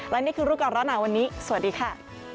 และนี่คือรูปการณ์หนาวันนี้สวัสดีค่ะ